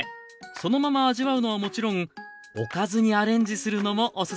そのまま味わうのはもちろんおかずにアレンジするのもおすすめです。